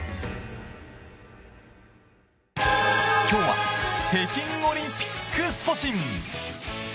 今日は北京オリンピック、スポ神！